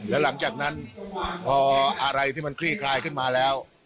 แล้วหลังจากนั้นพออะไรที่มันคลี่คลายขึ้นมาแล้ว